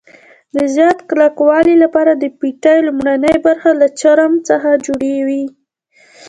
د زیات کلکوالي لپاره د فیتې لومړنۍ برخه له چرم څخه جوړوي.